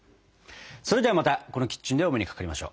それではまたこのキッチンでお目にかかりましよう。